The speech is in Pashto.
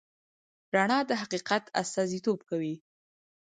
رڼا د حقیقت استازیتوب کوي.